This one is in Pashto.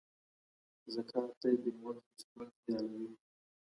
زکات د بې وزلو ستونزي حل کوي.